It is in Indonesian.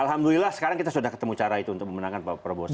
alhamdulillah sekarang kita sudah ketemu cara itu untuk memenangkan pak prabowo